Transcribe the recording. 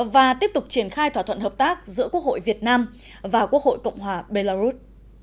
và tiếp tục triển khai thỏa thuận hợp tác giữa quốc hội việt nam và quốc hội cộng hòa belarus